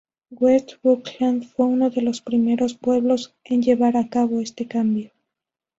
West Buckland fue uno de los primeros pueblos en llevar a cabo este cambio.